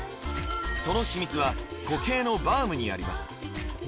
その秘密は固形のバームにあります